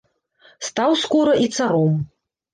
Стаў скора і царом.